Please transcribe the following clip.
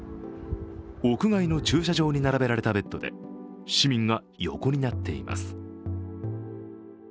屋外の駐車場に並べられたベッドで市民が横になっています。